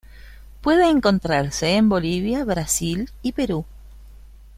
Puede encontrarse en Bolivia, Brasil y Perú.